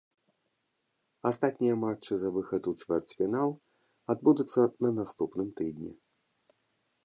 Астатнія матчы за выхад у чвэрцьфінал адбудуцца на наступным тыдні.